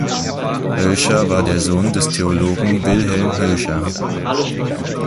Hölscher war der Sohn des Theologen Wilhelm Hölscher.